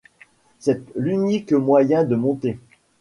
C'est l'unique moyen de monter.